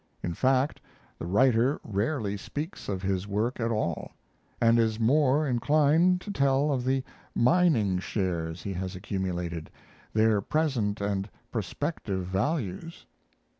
In fact, the writer rarely speaks of his work at all, and is more inclined to tell of the mining shares he has accumulated, their present and prospective values.